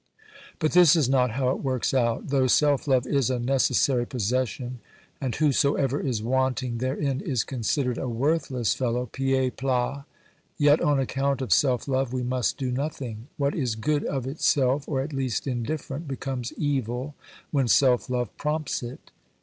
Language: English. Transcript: But this is not how it works out. Though self love is a necessary possession, and whosoever is wanting therein is considered a worthless fellow [pied plat), yet on account of self love we must do nothing. What is good of itself, or at least indifferent, becomes evil when self love prompts it.